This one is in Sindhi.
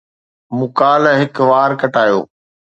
مون ڪالهه هڪ وار ڪٽايو